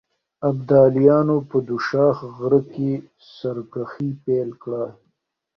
ابداليانو په دوشاخ غره کې سرکښي پيل کړه.